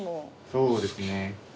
そうですね。